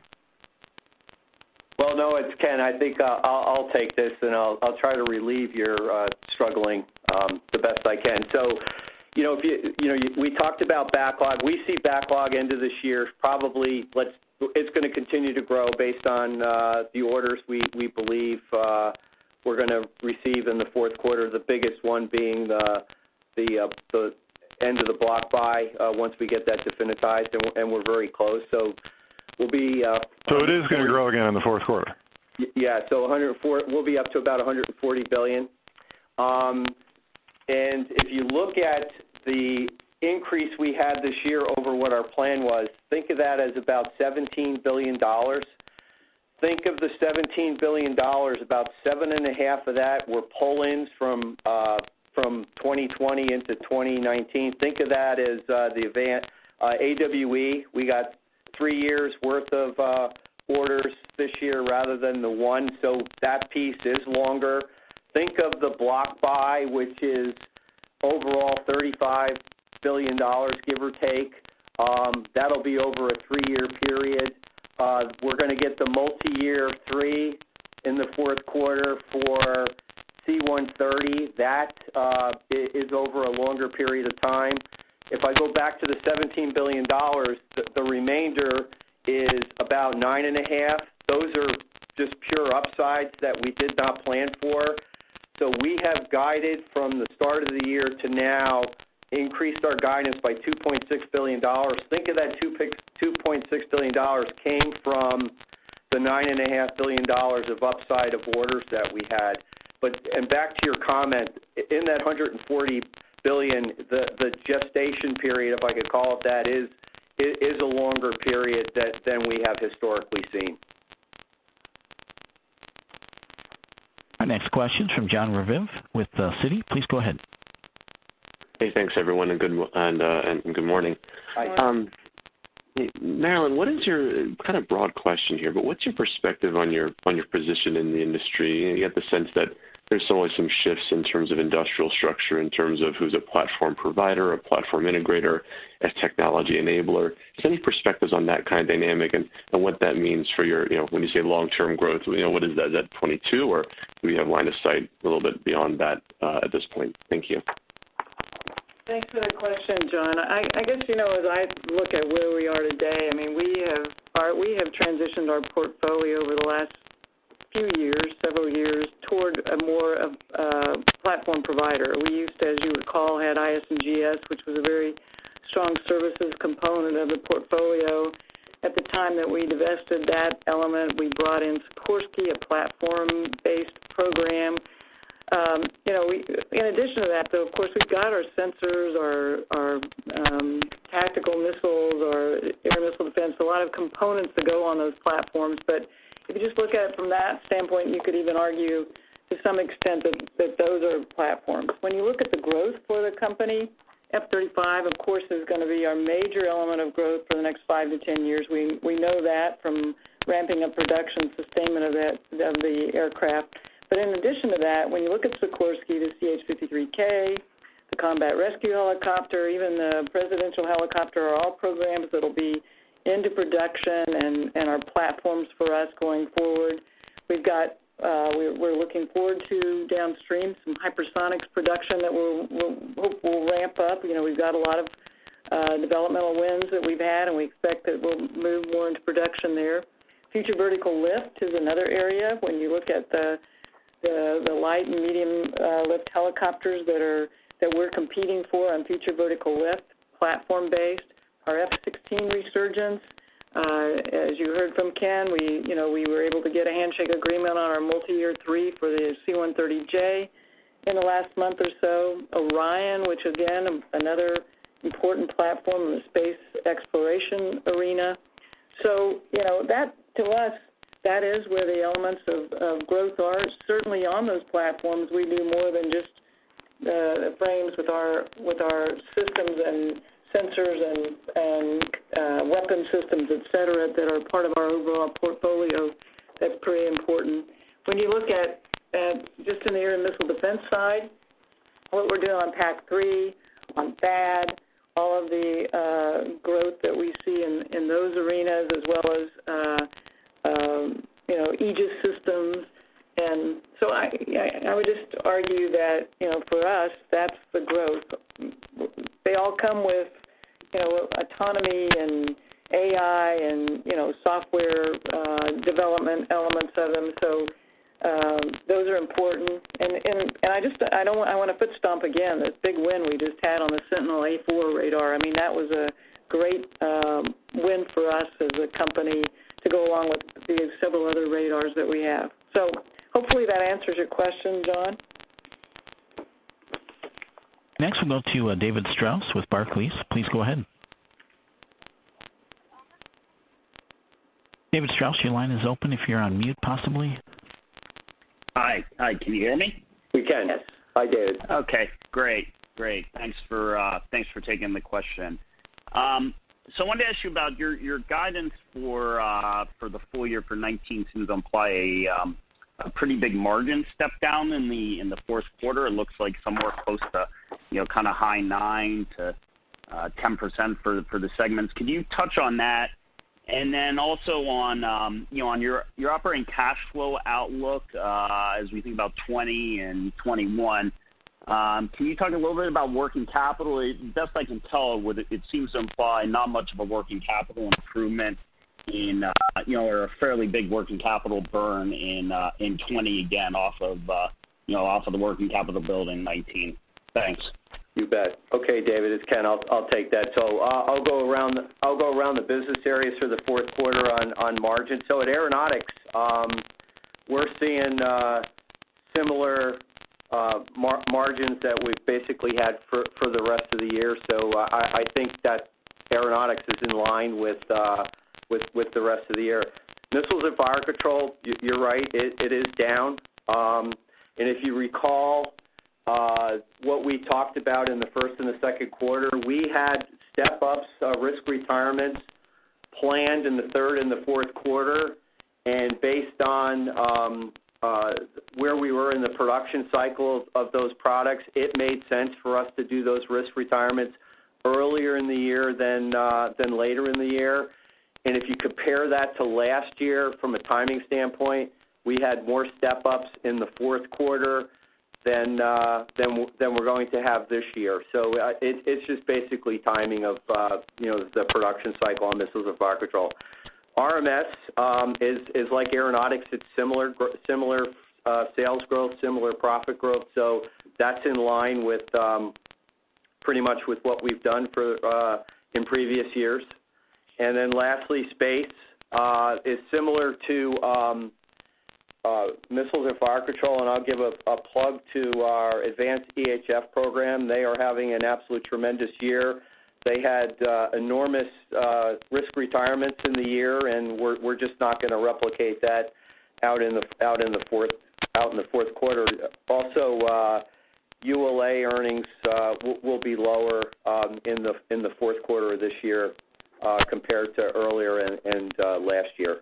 Well, Noah, it's Ken. I think I'll take this, and I'll try to relieve your struggling the best I can. We talked about backlog. We see backlog end of this year, probably it's going to continue to grow based on the orders we believe we're going to receive in the fourth quarter, the biggest one being the end of the block buy, once we get that definitized, and we're very close. It is going to grow again in the fourth quarter? We'll be up to about $140 billion. If you look at the increase we had this year over what our plan was, think of that as about $17 billion. Think of the $17 billion, about $7.5 billion of that were pull-ins from 2020 into 2019. Think of that as the AEHF. We got three years worth of orders this year rather than the one. That piece is longer. Think of the block buy, which is overall $35 billion, give or take. That'll be over a three-year period. We're going to get the multiyear three in the fourth quarter for C-130. That is over a longer period of time. If I go back to the $17 billion, the remainder is about $9.5 billion. Those are just pure upsides that we did not plan for. We have guided from the start of the year to now increased our guidance by $2.6 billion. Think of that $2.6 billion came from the nine and a half billion dollars of upside of orders that we had. Back to your comment, in that $140 billion, the gestation period, if I could call it that, is a longer period than we have historically seen. Our next question's from Jon Raviv with Citi. Please go ahead. Hey, thanks everyone, and good morning. Hi. Marillyn, kind of broad question here. What's your perspective on your position in the industry? You get the sense that there's always some shifts in terms of industrial structure, in terms of who's a platform provider, a platform integrator, a technology enabler. Just any perspectives on that kind of dynamic and what that means when you say long-term growth? What is that? Is that 2022, or do we have line of sight a little bit beyond that at this point? Thank you. Thanks for the question, John. I guess as I look at where we are today, we have transitioned our portfolio over the last few years, several years, toward a more platform provider. We used to, as you would call, had IS&GS, which was a very strong services component of the portfolio. At the time that we divested that element, we brought in Sikorsky, a platform-based program. In addition to that, though, of course, we've got our sensors, our tactical missiles, our air missile defense, a lot of components that go on those platforms. If you just look at it from that standpoint, you could even argue to some extent that those are platforms. When you look at the growth for the company, F-35, of course, is going to be our major element of growth for the next 5-10 years. In addition to that, when you look at Sikorsky, the CH-53K the Combat Rescue Helicopter, even the presidential helicopter, are all programs that'll be into production and are platforms for us going forward. We're looking forward to, downstream, some hypersonics production that we'll hope will ramp up. We've got a lot of developmental wins that we've had, and we expect that we'll move more into production there. Future Vertical Lift is another area. When you look at the light and medium-lift helicopters that we're competing for on Future Vertical Lift, platform based. Our F-16 resurgence. As you heard from Ken, we were able to get a handshake agreement on our multi-year three for the C-130J in the last month or so. Orion, which again, another important platform in the space exploration arena. That to us, that is where the elements of growth are. Certainly on those platforms, we do more than just the frames with our systems and sensors and weapon systems, et cetera, that are part of our overall portfolio. That's pretty important. When you look at just in the air and missile defense side, what we're doing on PAC-3, on THAAD, all of the growth that we see in those arenas as well as Aegis systems. I would just argue that for us, that's the growth. They all come with autonomy and AI and software development elements of them. Those are important. I want to foot stomp again, that big win we just had on the Sentinel A4 radar. That was a great win for us as a company to go along with the several other radars that we have. Hopefully that answers your question, John. Next, we'll go to David Strauss with Barclays. Please go ahead. David Strauss, your line is open if you're on mute, possibly. Hi. Can you hear me? We can. Yes. Hi, David. Okay, great. Thanks for taking the question. I wanted to ask you about your guidance for the full year for 2019 seems imply a pretty big margin step down in the fourth quarter. It looks like somewhere close to kind of high 9%-10% for the segments. Can you touch on that? Also on your operating cash flow outlook, as we think about 2020 and 2021, can you talk a little bit about working capital? Best I can tell, it seems to imply not much of a working capital improvement or a fairly big working capital burn in 2020 again off of the working capital build in 2019. Thanks. You bet. Okay, David, it's Ken. I'll take that. I'll go around the business areas for the fourth quarter on margin. At Aeronautics, we're seeing similar margins that we've basically had for the rest of the year. I think that Aeronautics is in line with the rest of the year. Missiles and Fire Control, you're right, it is down. If you recall what we talked about in the first and the second quarter, we had step-ups, risk retirements planned in the third and the fourth quarter. Based on where we were in the production cycle of those products, it made sense for us to do those risk retirements earlier in the year than later in the year. If you compare that to last year from a timing standpoint, we had more step-ups in the fourth quarter than we're going to have this year. It's just basically timing of the production cycle on Missiles & Fire Control. RMS is like Aeronautics. It's similar sales growth, similar profit growth. That's in line pretty much with what we've done in previous years. Lastly, Space. It's similar to Missiles & Fire Control, and I'll give a plug to our Advanced EHF program. They are having an absolute tremendous year. They had enormous risk retirements in the year, and we're just not going to replicate that out in the fourth quarter. Also, ULA earnings will be lower in the fourth quarter of this year compared to earlier and last year.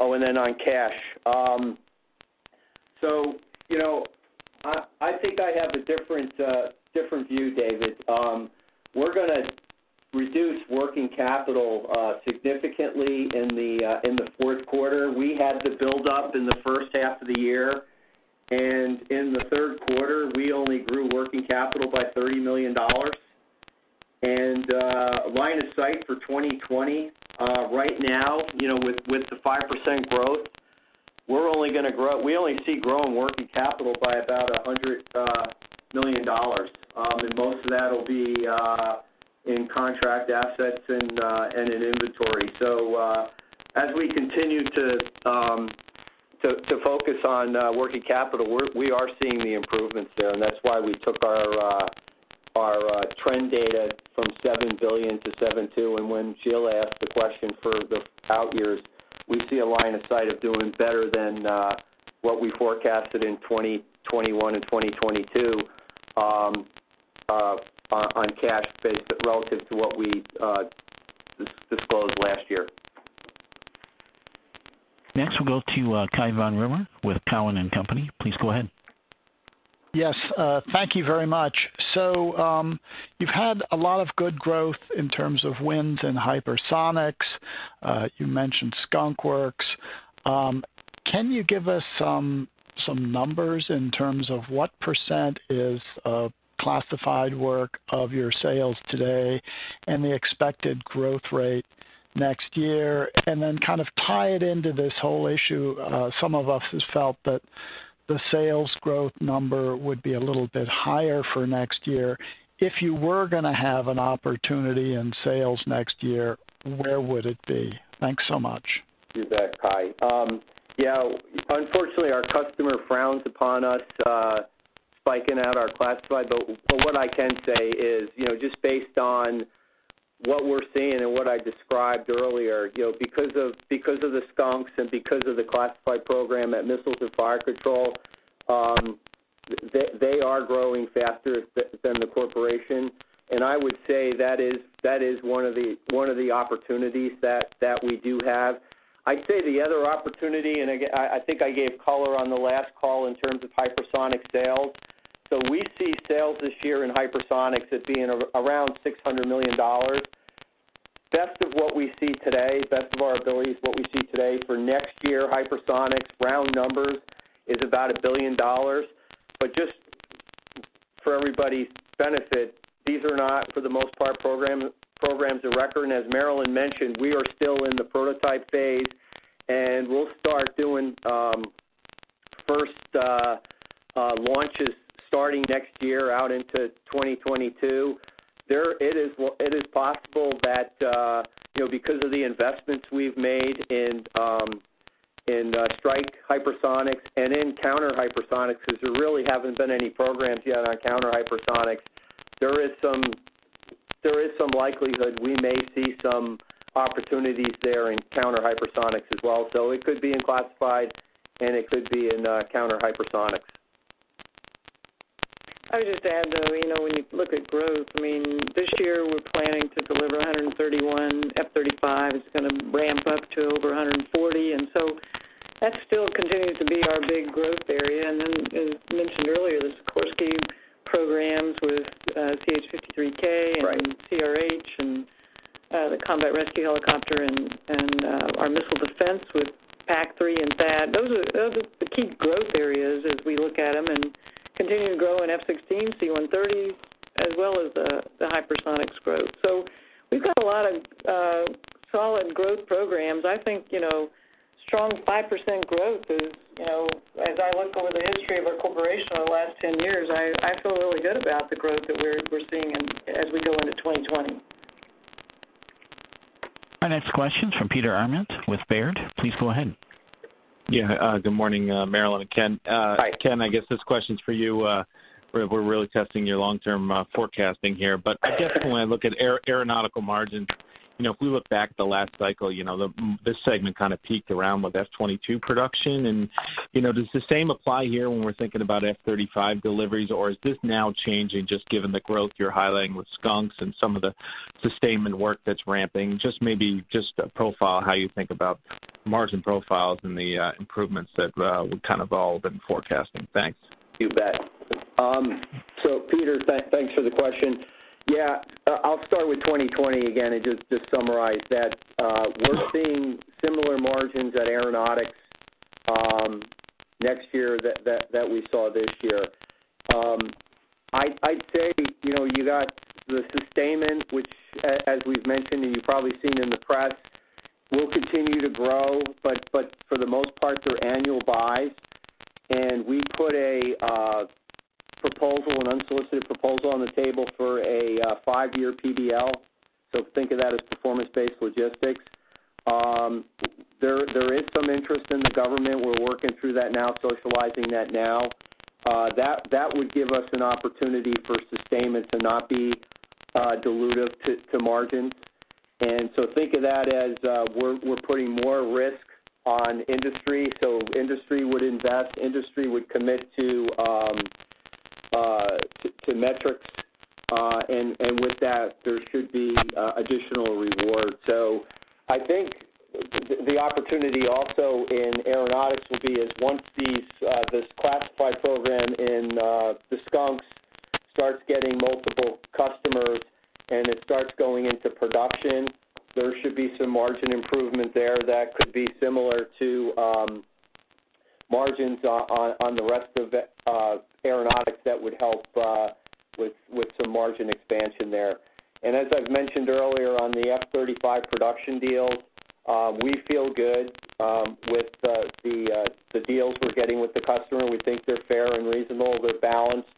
On cash. I think I have a different view, David. We're going to reduce working capital significantly in the fourth quarter. We had the build up in the first half of the year. In the third quarter, we only grew working capital by $30 million. Line of sight for 2020, right now, with the 5% growth, we only see growing working capital by about $100 million. Most of that'll be in contract assets and in inventory. As we continue to focus on working capital, we are seeing the improvements there, and that's why we took our trend data from $7 billion to $7.2 billion. When Shiela asked the question for the out years, we see a line of sight of doing better than what we forecasted in 2021 and 2022 on cash based relative to what we disclosed last year. We'll go to Cai von Rumohr with Cowen and Company. Please go ahead. Yes. Thank you very much. You've had a lot of good growth in terms of wins and hypersonics. You mentioned Skunk Works. Can you give us some numbers in terms of what % is classified work of your sales today and the expected growth rate next year? Kind of tie it into this whole issue, some of us has felt that the sales growth number would be a little bit higher for next year. If you were going to have an opportunity in sales next year, where would it be? Thanks so much. You bet, Cai. Yeah. Unfortunately, our customer frowns upon us spiking out our classified. What I can say is, just based on what we're seeing and what I described earlier, because of the Skunks and because of the classified program at Missiles and Fire Control, they are growing faster than the corporation. I would say that is one of the opportunities that we do have. I'd say the other opportunity, and I think I gave color on the last call in terms of hypersonic sales. We see sales this year in hypersonics as being around $600 million. Best of what we see today, best of our abilities, what we see today for next year, hypersonics, round numbers, is about $1 billion. Just for everybody's benefit, these are not, for the most part, programs of record. As Marillyn mentioned, we are still in the prototype phase, and we'll start doing first launches starting next year out into 2022. It is possible that because of the investments we've made in strike hypersonics and in counter-hypersonics, because there really haven't been any programs yet on counter-hypersonics. There is some likelihood we may see some opportunities there in counter-hypersonics as well. It could be in classified and it could be in counter-hypersonics. I would just add, when you look at growth, this year we're planning to deliver 131 F-35s. It's going to ramp up to over 140. That still continues to be our big growth area. As mentioned earlier, the Sikorsky programs with CH-53K and CRH and the Combat Rescue Helicopter and our missile defense with PAC-3 and THAAD. Those are the key growth areas as we look at them, continuing to grow in F-16, C-130, as well as the hypersonics growth. We've got a lot of solid growth programs. I think strong 5% growth is, as I look over the history of our corporation over the last 10 years, I feel really good about the growth that we're seeing as we go into 2020. Our next question is from Peter Arment with Baird. Please go ahead. Yeah. Good morning, Marillyn and Ken. Hi. Ken, I guess this question's for you. We're really testing your long-term forecasting here. I definitely look at aeronautical margins. If we look back at the last cycle, this segment kind of peaked around with F-22 production and, does the same apply here when we're thinking about F-35 deliveries? Is this now changing just given the growth you're highlighting with Skunk Works and some of the sustainment work that's ramping? Just maybe, just a profile how you think about margin profiles and the improvements that we've kind of all been forecasting. Thanks. You bet. Peter, thanks for the question. Yeah, I'll start with 2020 again and just summarize that we're seeing similar margins at Aeronautics next year that we saw this year. I'd say you got the sustainment, which, as we've mentioned and you've probably seen in the press, will continue to grow. For the most part, they're annual buys. We put a proposal, an unsolicited proposal on the table for a 5-year PBL. Think of that as performance-based logistics. There is some interest in the government. We're working through that now, socializing that now. That would give us an opportunity for sustainment to not be dilutive to margins. Think of that as we're putting more risk on industry. Industry would invest, industry would commit to metrics. With that, there should be additional reward. I think the opportunity also in Aeronautics will be is once this classified program in the Skunk Works starts getting multiple customers and it starts going into production, there should be some margin improvement there that could be similar to margins on the rest of Aeronautics that would help with some margin expansion there. As I've mentioned earlier on the F-35 production deals, we feel good with the deals we're getting with the customer. We think they're fair and reasonable. They're balanced.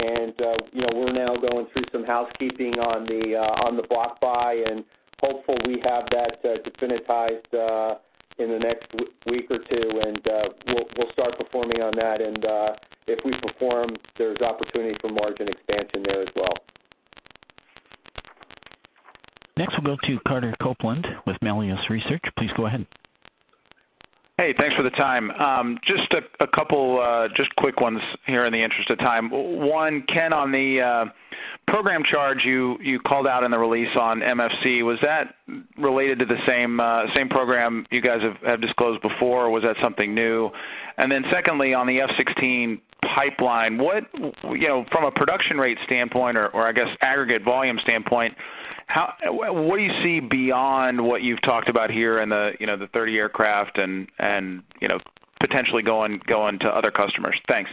We're now going through some housekeeping on the block buy and hopeful we have that definitized in the next week or two and we'll start performing on that. If we perform, there's opportunity for margin expansion there as well. Next, we'll go to Carter Copeland with Melius Research. Please go ahead. Hey, thanks for the time. Just a couple quick ones here in the interest of time. One, Ken, on the Program charge you called out in the release on MFC, was that related to the same program you guys have disclosed before, or was that something new? Secondly, on the F-16 pipeline, from a production rate standpoint or I guess aggregate volume standpoint, what do you see beyond what you've talked about here in the 30 aircraft and potentially going to other customers? Thanks.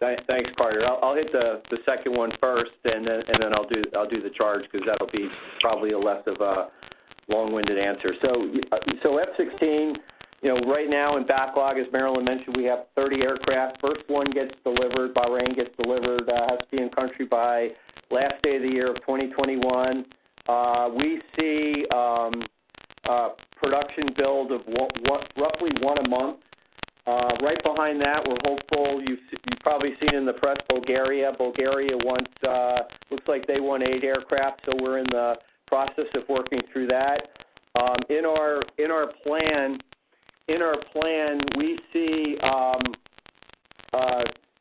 Thanks, Carter. I'll hit the second one first, and then I'll do the charge because that'll be probably a less of a long-winded answer. F-16, right now in backlog, as Marillyn mentioned, we have 30 aircraft. First one gets delivered, Bahrain gets delivered, has to be in country by last day of the year of 2021. We see a production build of roughly one a month. Right behind that, we're hopeful, you've probably seen in the press Bulgaria. Bulgaria, looks like they want eight aircraft, so we're in the process of working through that. In our plan, we see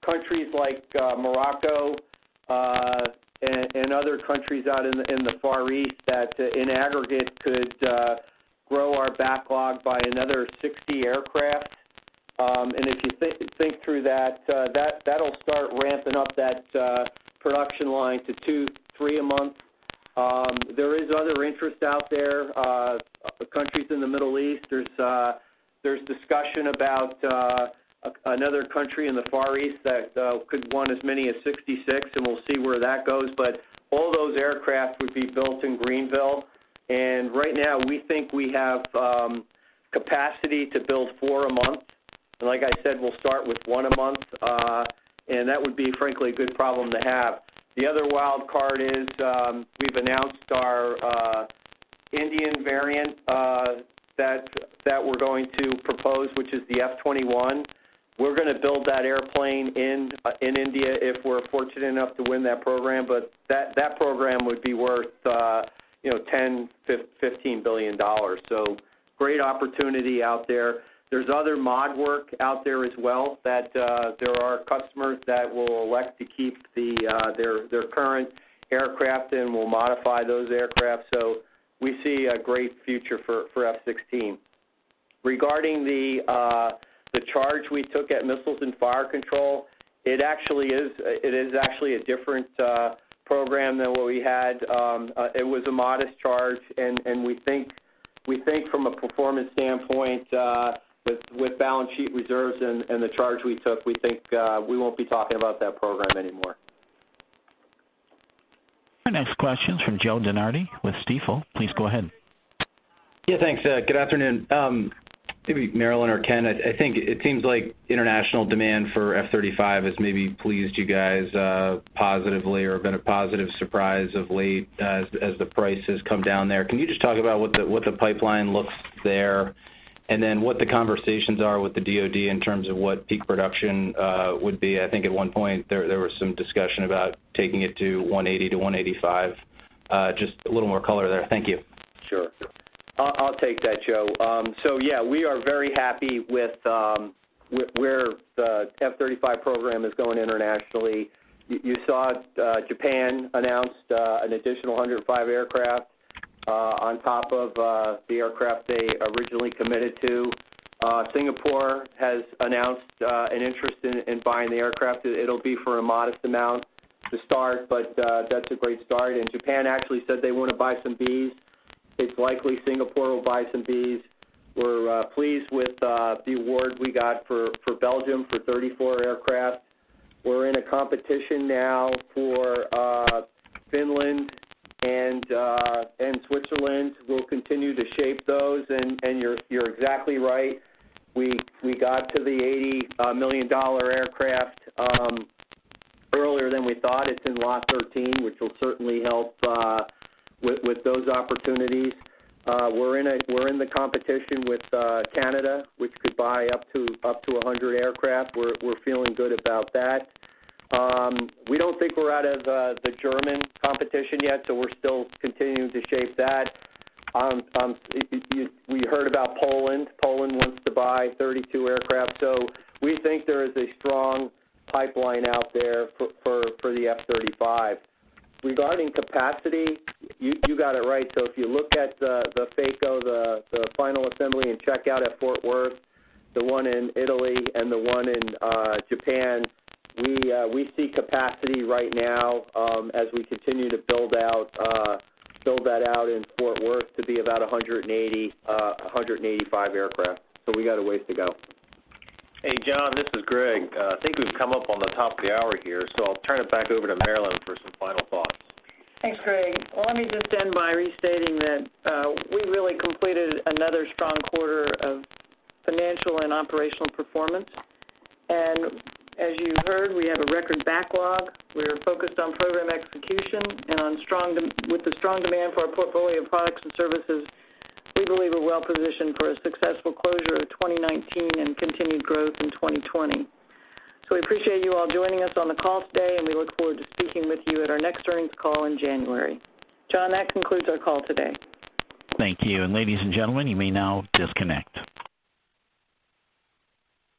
countries like Morocco, and other countries out in the Far East that, in aggregate, could grow our backlog by another 60 aircraft. If you think through that'll start ramping up that production line to two, three a month. There is other interest out there. Countries in the Middle East. There's discussion about another country in the Far East that could want as many as 66. We'll see where that goes. All those aircraft would be built in Greenville. Right now we think we have capacity to build four a month. Like I said, we'll start with one a month. That would be, frankly, a good problem to have. The other wild card is, we've announced our Indian variant that we're going to propose, which is the F-21. We're going to build that airplane in India if we're fortunate enough to win that program. That program would be worth $10 billion-$15 billion. Great opportunity out there. There's other mod work out there as well, that there are customers that will elect to keep their current aircraft and we'll modify those aircraft. We see a great future for F-16. Regarding the charge we took at Missiles and Fire Control, it is actually a different program than what we had. It was a modest charge, and we think from a performance standpoint, with balance sheet reserves and the charge we took, we think we won't be talking about that program anymore. Our next question's from Joe DeNardi with Stifel. Please go ahead. Yeah, thanks. Good afternoon. Maybe Marillyn or Ken, I think it seems like international demand for F-35 has maybe pleased you guys positively or been a positive surprise of late as the price has come down there. Can you just talk about what the pipeline looks there, and then what the conversations are with the DoD in terms of what peak production would be? I think at one point there was some discussion about taking it to 180-185. Just a little more color there. Thank you. Sure. I'll take that, Joe. Yeah, we are very happy with where the F-35 program is going internationally. You saw Japan announced an additional 105 aircraft on top of the aircraft they originally committed to. Singapore has announced an interest in buying the aircraft. It'll be for a modest amount to start, but that's a great start. Japan actually said they want to buy some Bs. It's likely Singapore will buy some Bs. We're pleased with the award we got for Belgium for 34 aircraft. We're in a competition now for Finland and Switzerland. We'll continue to shape those. You're exactly right. We got to the $80 million aircraft earlier than we thought. It's in lot 13, which will certainly help with those opportunities. We're in the competition with Canada, which could buy up to 100 aircraft. We're feeling good about that. We don't think we're out of the German competition yet, so we're still continuing to shape that. We heard about Poland. Poland wants to buy 32 aircraft. We think there is a strong pipeline out there for the F-35. Regarding capacity, you got it right. If you look at the FACO, the final assembly and checkout at Fort Worth, the one in Italy, and the one in Japan, we see capacity right now as we continue to build that out in Fort Worth to be about 180, 185 aircraft. We got a ways to go. Hey, John, this is Greg. I think we've come up on the top of the hour here, so I'll turn it back over to Marillyn for some final thoughts. Thanks, Greg. Well, let me just end by restating that we really completed another strong quarter of financial and operational performance. As you heard, we have a record backlog. We are focused on program execution, with the strong demand for our portfolio of products and services, we believe we're well positioned for a successful closure of 2019 and continued growth in 2020. We appreciate you all joining us on the call today, and we look forward to speaking with you at our next earnings call in January. John, that concludes our call today. Thank you. Ladies and gentlemen, you may now disconnect.